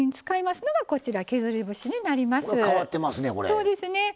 そうですね。